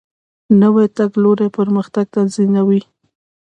نوی تګلوری پرمختګ تضمینوي